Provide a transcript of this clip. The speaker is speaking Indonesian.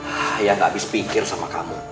ah ya gak habis pikir sama kamu